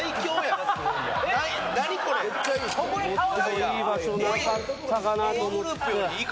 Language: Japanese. もっといい場所なかったかなと。